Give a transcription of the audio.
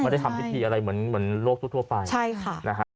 ได้ใช่ใช่ค่ะ